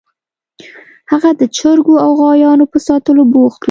هغه د چرګو او غواګانو په ساتلو بوخت و